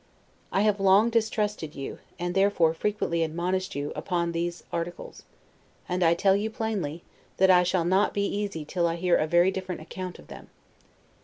I have long distrusted you, and therefore frequently admonished you, upon these articles; and I tell you plainly, that I shall not be easy till I hear a very different account of them.